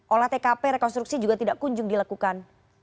olah tkp rekonstruksi juga tidak kunjung dilakukan